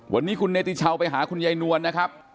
วันนี้คุณเนติชาวไปหาคุณยายนวลนะครับ